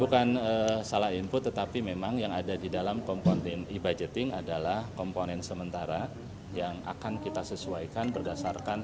bukan salah input tetapi memang yang ada di dalam komponen e budgeting adalah komponen sementara yang akan kita sesuaikan berdasarkan